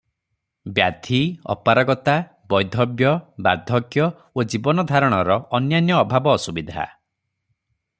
ବ୍ୟାଧି, ଅପାରଗତା, ବୈଧବ୍ୟ, ବାର୍ଦ୍ଧକ୍ୟ ଓ ଜୀବନଧାରଣର ଅନ୍ୟାନ୍ୟ ଅଭାବ ଅସୁବିଧା ।